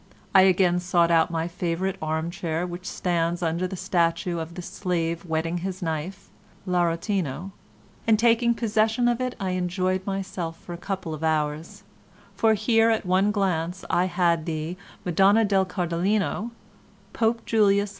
I again sought out my favourite arm chair which stands under the statue of the 'Slave whetting his knife' (L'Arrotino), and taking possession of it I enjoyed myself for a couple of hours; for here at one glance I had the 'Madonna del Cardellino,' Pope Julius II.